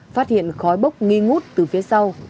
phát hiện khói bốc nghi ngút từ phía sau